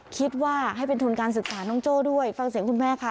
คิดว่าให้เป็นทุนการศึกษาน้องโจ้ด้วยฟังเสียงคุณแม่ค่ะ